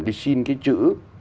đi xin cái chữ